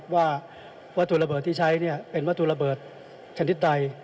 ว่าวัตถุระเบิดที่ใช้เป็นวัตถุระเบิดชนิดใด